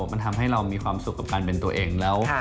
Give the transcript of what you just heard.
มันทำให้เรามีความสุขกับการเป็นตัวเองแล้ว